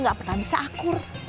gak pernah bisa akur